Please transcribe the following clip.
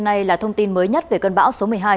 đây là thông tin mới nhất về cơn bão số một mươi hai